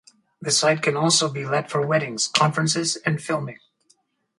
The site can also be let for weddings, conferences, and filming.